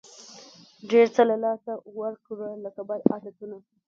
ډېر څه له لاسه ورکړه لکه بد عادتونه.